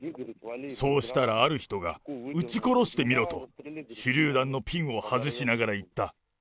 そうしたら、ある人が撃ち殺してみろと、手りゅう弾のピンを外しながら言った。